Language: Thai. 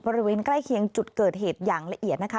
บริเวณใกล้เคียงจุดเกิดเหตุอย่างละเอียดนะคะ